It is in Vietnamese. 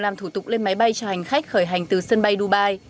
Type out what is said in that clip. làm thủ tục lên máy bay cho hành khách khởi hành từ sân bay dubai